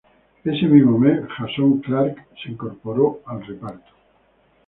Ese mismo mes, Jason Clarke se incorporó al reparto.